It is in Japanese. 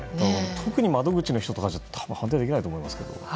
特に窓口の人じゃ判定できないと思いますけど。